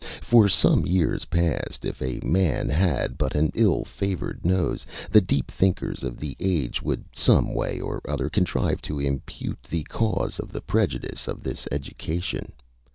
For some years past, if a man had but an ill favoured nose, the deep thinkers of the age would, some way or other contrive to impute the cause to the prejudice of his education.